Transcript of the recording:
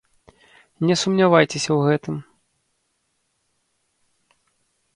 Не сумнявайцеся ў гэтым.